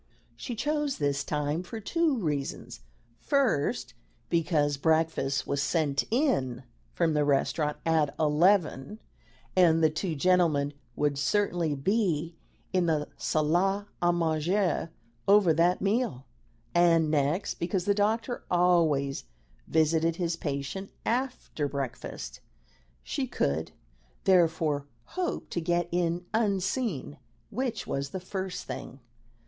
She chose this time for two reasons: first, because breakfast was sent in from the restaurant at eleven, and the two gentlemen would certainly be in the salle 'a manger over that meal; and, next, because the doctor always visited his patient after breakfast. She could, therefore, hope to get in unseen, which was the first thing.